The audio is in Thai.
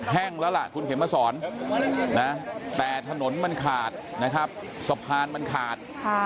แห้งแล้วล่ะคุณเข็มมาสอนนะแต่ถนนมันขาดนะครับสะพานมันขาด